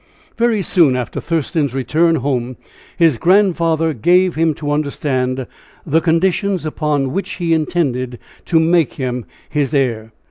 Very soon after Thurston's return home his grandfather gave him to understand the conditions upon which he intended to make him his heir.